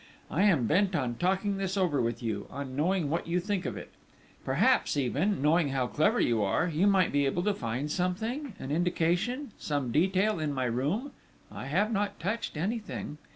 I am bent on talking this over with you, on knowing what you think of it. Perhaps even, knowing how clever you are, you might be able to find something, an indication, some detail, in my room? I have not touched anything.